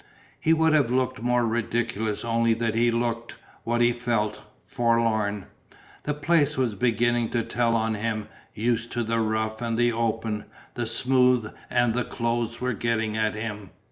He would have looked more ridiculous only that he looked, what he felt, forlorn. The place was beginning to tell on him, used to the rough and the open; the smooth and the closed were getting at him.